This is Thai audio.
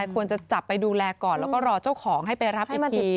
ควรจะจับไปดูแลก่อนแล้วก็รอเจ้าของให้ไปรับอีกที